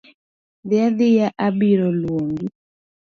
Dhi adhia abiro luongi.